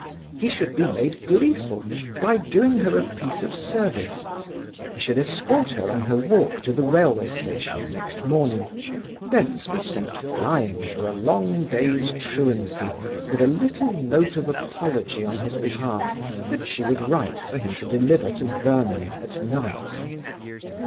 He should be made gleeful by doing her a piece of service; he should escort her on her walk to the railway station next morning, thence be sent flying for a long day's truancy, with a little note of apology on his behalf that she would write for him to deliver to Vernon at night.